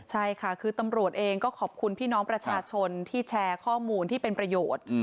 ใช่ค่ะคือตำรวจเองก็ขอบคุณพี่น้องประชาชนที่แชร์ข้อมูลที่เป็นประโยชน์